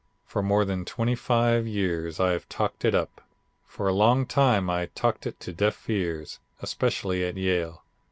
For more than twenty five years I have talked it up. For a long time I talked it to deaf ears, especially at Yale.